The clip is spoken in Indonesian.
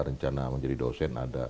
rencana menjadi dosen ada